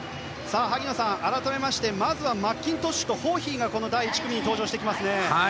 萩野さん、改めましてまずはマッキントッシュとホーヒーが第１組に登場してきますね。